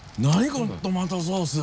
このトマトソース。